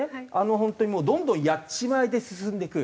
本当にもうどんどんやっちまえで進んでいく。